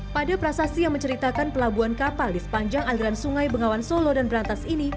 pada prasasti yang menceritakan pelabuhan kapal di sepanjang aliran sungai bengawan solo dan berantas ini